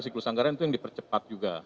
dan juga ada yang dipercepat